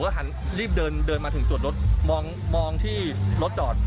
หันรีบเดินมาถึงจุดรถมองที่รถจอด